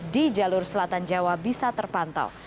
di jalur selatan jawa bisa terpantau